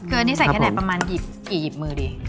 คืออันนี้ใส่แค่ไหนประมาณหยิบกี่หยิบมือดี